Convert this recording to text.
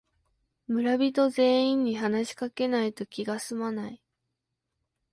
村人全員に話しかけないと気がすまない